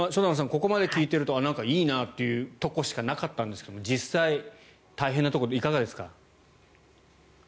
ここまで聞いているとなんか、いいなというところしかなかったんですが実際、大変なところはいかがですか。